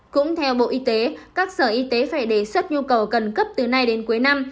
cũng theo bộ y tế các sở y tế phải đề xuất nhu cầu cần cấp từ nay đến cuối năm